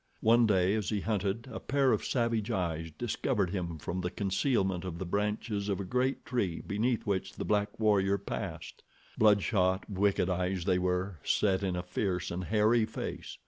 One day, as he hunted, a pair of savage eyes discovered him from the concealment of the branches of a great tree beneath which the black warrior passed. Bloodshot, wicked eyes they were, set in a fierce and hairy face.